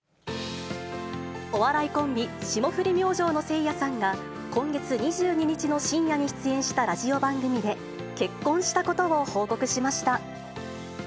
お笑いコンビ、霜降り明星のせいやさんが、今月２２日の深夜に出演したラジオ番組で、結婚したことを報告しました。